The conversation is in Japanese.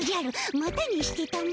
またにしてたも。